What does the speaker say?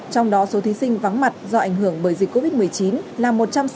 trong đó số thí sinh vắng mặt do ảnh hưởng bởi dịch covid một mươi chín là một trăm sáu mươi